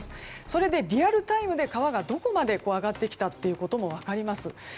それでリアルタイムで川がどこまで上がってきたかも分かります。